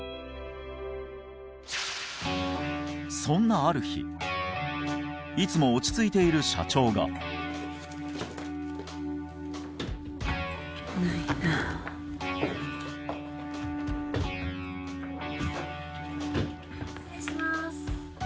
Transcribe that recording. そんなある日いつも落ち着いている社長が失礼しますあ